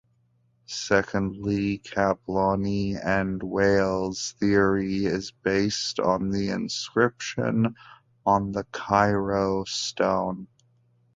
Secondly, Kaplony and Weill's theory is based on the inscription on the Cairo stone.